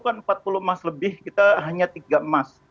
misalnya renang itu kan empat puluh emas lebih kita hanya tiga emas